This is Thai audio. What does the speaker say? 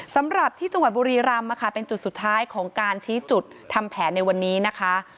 สำหรับที่จังหวัดบุรีรำเป็นจุดสุดท้ายของการชี้จุดทำแผนในวันนี้นะคะ